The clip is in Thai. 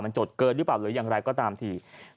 มันจดเกินหรือเปล่าหรืออย่างไรก็ตามที